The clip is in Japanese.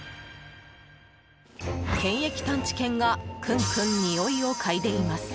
検疫探知犬がクンクンにおいをかいでいます。